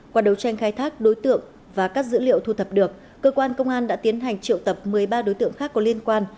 qua đấu tranh khai thác đối tượng và các dữ liệu thu thập được cơ quan công an đã tiến hành triệu tập một mươi ba đối tượng khác có liên quan